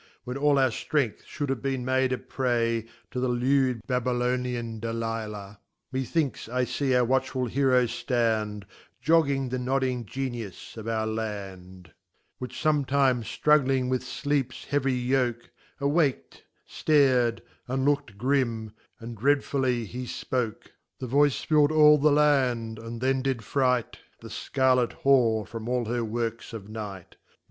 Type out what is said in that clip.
When all our ftrength mould have been made a Prey To the Leud Babylonijb Dalilah y Methinks I fee our watchful Heroe Rand, J°$g™g the Nodding Cenim of our hand ; Which [«5J Which fometime ftrugling with deeps heavy yoak, Awak'djftar'djSi Iook'd grim, and dreafully he fpoke. The voice fill'd all the Land, and then did fright The Scarlet Whore from all her works of night.